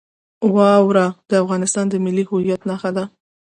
واوره د افغانستان د ملي هویت نښه ده.